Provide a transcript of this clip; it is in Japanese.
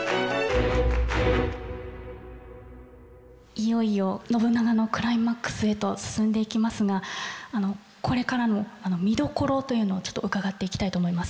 いよいよ信長のクライマックスへと進んでいきますがこれからの見どころというのをちょっと伺っていきたいと思います。